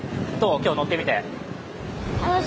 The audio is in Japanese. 今日、乗ってみて。